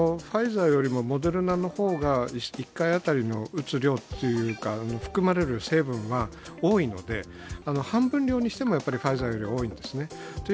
ファイザーよりもモデルナの方が１回あたりに打つ量含まれる成分が多いので半分量にしても、やっぱりファイザーより多いんですね。